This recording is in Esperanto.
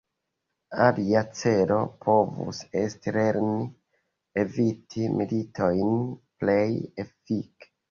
Alia celo povus esti lerni eviti militojn plej efike.